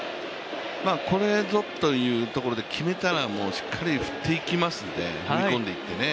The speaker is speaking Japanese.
これぞというところで決めたらしっかり振っていきますので踏み込んでいってね。